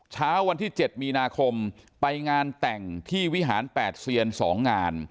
เช้าวันที่๗มีนาคมไปงานแต่งที่วิหาร๘เซียน๒งาน